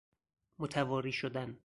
متواری شدن